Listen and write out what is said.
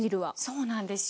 そうなんですよ。